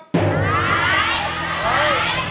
ใช้